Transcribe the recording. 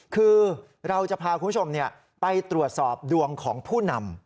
คือเราจะพาคุณผู้ชมไปตรวจสอบดวงของผู้นำ